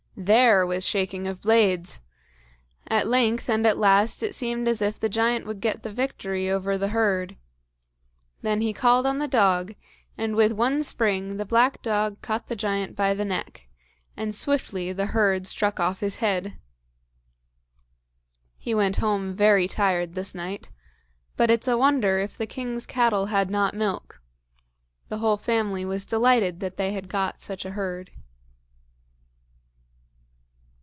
There was shaking of blades! At length and at last it seemed as if the giant would get the victory over the herd. Then he called on the dog, and with one spring the black dog caught the giant by the neck, and swiftly the herd struck off his head. He went home very tired this night, but it's a wonder if the king's cattle had not milk. The whole family was delighted that they had got such a herd.